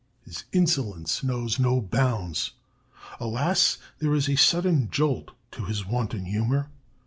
His insolence knows no bounds. Alas! there is a sudden jolt to his wanton humor.